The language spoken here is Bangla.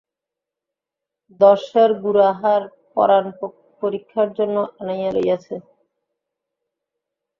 দশ সের গুড়া হাড় পরাণ পরীক্ষার জন্য আনাইয়া লইয়াছে।